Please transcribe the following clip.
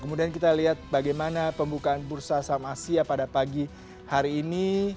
kemudian kita lihat bagaimana pembukaan bursa saham asia pada pagi hari ini